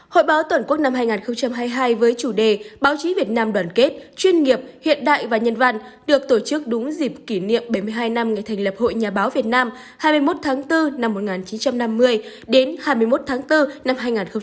hội báo toàn quốc năm hai nghìn hai mươi hai với chủ đề báo chí việt nam đoàn kết chuyên nghiệp hiện đại và nhân văn được tổ chức đúng dịp kỷ niệm bảy mươi hai năm ngày thành lập hội nhà báo việt nam hai mươi một tháng bốn năm một nghìn chín trăm năm mươi đến hai mươi một tháng bốn năm hai nghìn hai mươi